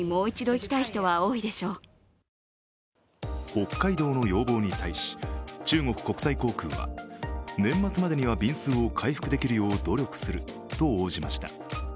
北海道の要望に対し中国国際航空は、年末までには便数を回復できるよう努力すると応じました。